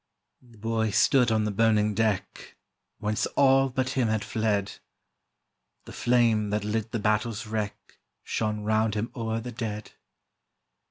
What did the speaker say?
] The boy stood on the burning deck, Whence all but him had fled; The flame that lit the battle's wreck Shone round him o'er the dead.